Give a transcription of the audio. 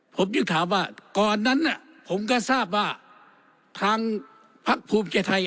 ผมยึกถามว่าก่อนผมก็ทราบว่าทางภาคภูมิเจ้าไทย